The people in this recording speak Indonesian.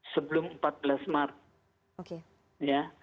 sebelum empat belas maret